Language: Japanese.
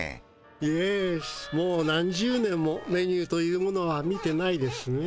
イエスもう何十年もメニューというものは見てないですね。